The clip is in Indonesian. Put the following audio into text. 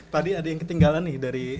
tadi ada yang ketinggalan nih dari